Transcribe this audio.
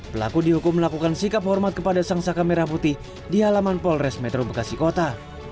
pelaku dihukum melakukan sikap hormat kepada sang saka merah putih di halaman polres metro bekasi kota